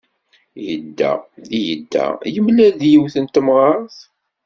Yedda, yedda, yemlal-d yiwet n temɣart.